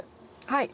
はい。